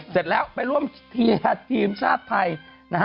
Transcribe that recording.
เสร็จแล้วไปร่วมทีมชาติไทยนะฮะ